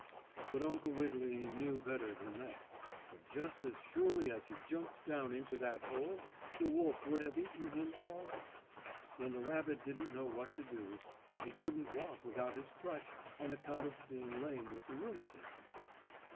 But Uncle Wiggily knew better than that, for just as surely as he jumped down into that hole the wolf would have eaten him all up. And the rabbit didn't know what to do, for he couldn't walk without his crutch on account of being lame with the rheumatism.